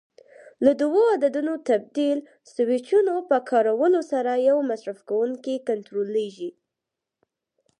له دوو عددونو تبدیل سویچونو په کارولو سره یو مصرف کوونکی کنټرولېږي.